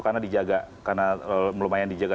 karena dijaga karena lumayan dijaga